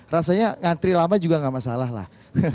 rasanya ngantri lama juga gak masalah lah